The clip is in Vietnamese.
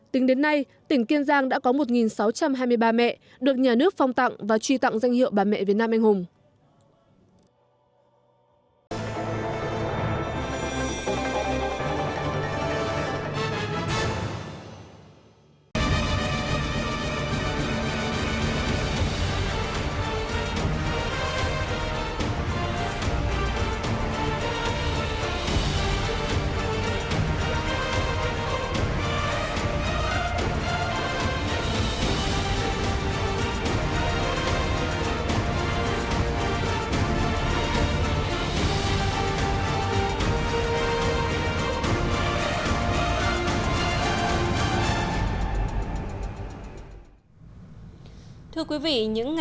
tính đến nay tỉnh kiên giang đã có một sáu trăm hai mươi ba mẹ được nhà nước phong tặng